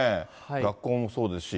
学校もそうですし。